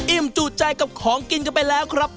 จูดใจกับของกินกันไปแล้วครับ